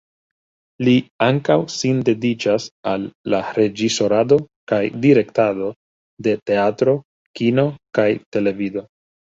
Li ankaŭ sin dediĉas al la reĝisorado kaj direktado de teatro, kino kaj televido.